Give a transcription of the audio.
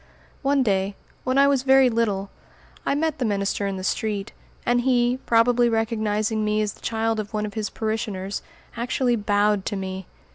One day, when I was very little, I met the minister in the street; and he, probably recognizing me as the child of one of his parishioners, actually bowed to me!